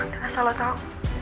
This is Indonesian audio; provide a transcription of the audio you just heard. dan asal lo tau